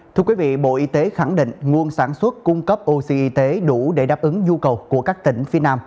thưa quý vị bộ y tế khẳng định nguồn sản xuất cung cấp oxy đủ để đáp ứng nhu cầu của các tỉnh phía nam